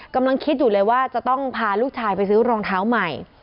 กำลังคิดอยู่เลยว่าจะต้องพาลูกชายไปซื้อรองเท้าใหม่